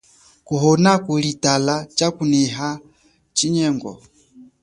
Kuhona kuli tala chakuneha chinyengo.